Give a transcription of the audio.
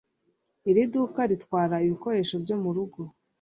Iri duka ritwara ibikoresho byo murugo